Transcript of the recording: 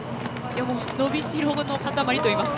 伸びしろの塊といいますか。